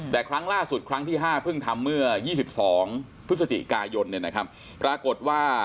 แต่ครั้งล่าสุดครั้งที่๕เพิ่งทำเมื่อ๒๒พฤศจิกายนปรากฏว่า